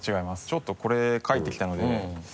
ちょっとこれ書いてきたので。